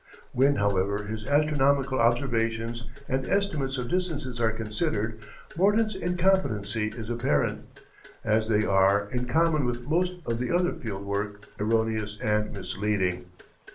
When, however, his astronomical observations and estimates of distances are considered, Morton's incompetency is apparent, as they are, in common with most of the other field work, erroneous and misleading.